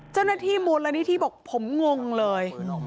เจ้าหน้าที่มูลนิธิบอกผมงงเลย